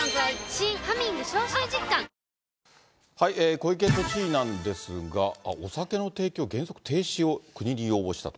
小池都知事なんですが、お酒の提供、原則停止を国に要望したと。